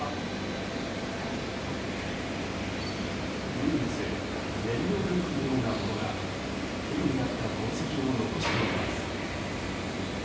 唯一燃料タンクのようなものがヘリであった痕跡を残しています。